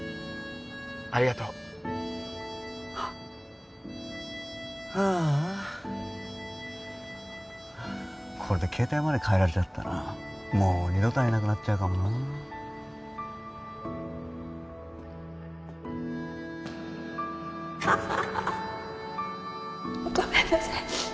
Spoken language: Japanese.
ありがとうああこれで携帯までかえられちゃったらもう二度と会えなくなっちゃうかもなごめんなさい